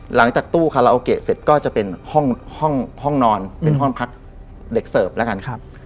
หลังจากตู้คาราโอเกะเสร็จก็จะเป็นห้องห้องนอนเป็นห้องพักเด็กเสิร์ฟแล้วกันครับ